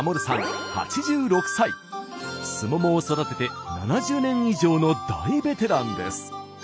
すももを育てて７０年以上の大ベテランです。